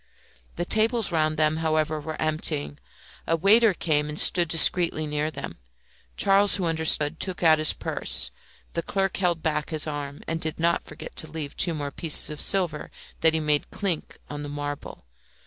The tables round them, however, were emptying; a waiter came and stood discreetly near them. Charles, who understood, took out his purse; the clerk held back his arm, and did not forget to leave two more pieces of silver that he made chink on the marble.